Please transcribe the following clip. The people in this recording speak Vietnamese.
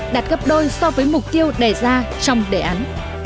đạt gấp đôi so với mục tiêu đề ra trong đề án